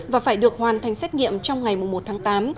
và phải được hoàn thành xét nghiệm trong ngày một tháng tám